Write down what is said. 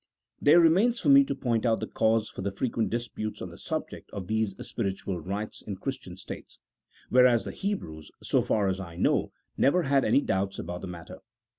There remains for me to point out the cause for the frequent disputes on the subject of these spiritual rights in Christian states ; whereas the Hebrews, so far as I know, never had any doubts about the matter.